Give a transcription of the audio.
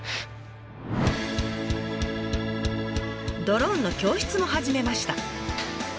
ドローンの教室も始めました。